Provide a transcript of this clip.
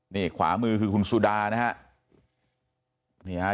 นี่ขวามือคือคุณสุดานะฮะ